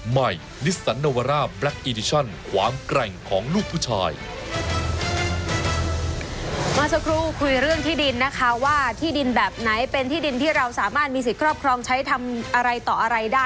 เมื่อสักครู่คุยเรื่องที่ดินนะคะว่าที่ดินแบบไหนเป็นที่ดินที่เราสามารถมีสิทธิ์ครอบครองใช้ทำอะไรต่ออะไรได้